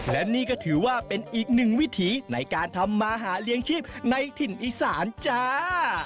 และนี่ก็ถือว่าเป็นอีกหนึ่งวิถีในการทำมาหาเลี้ยงชีพในถิ่นอีสานจ้า